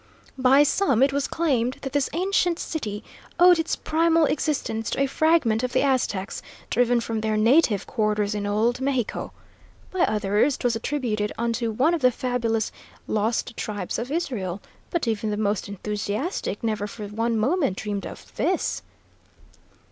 "By some it was claimed that this ancient city owed its primal existence to a fragment of the Aztecs, driven from their native quarters in Old Mexico. By others 'twas attributed unto one of the fabulous 'Lost Tribes of Israel,' but even the most enthusiastic never for one moment dreamed of this!"